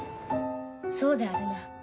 そうであるな。